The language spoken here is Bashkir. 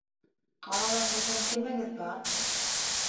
Ҡалала һеҙҙең кемегеҙ бар?